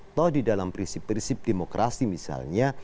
atau di dalam prinsip prinsip demokrasi misalnya